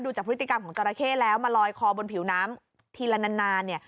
จากพฤติกรรมของจราเข้แล้วมาลอยคอบนผิวน้ำทีละนานเนี่ย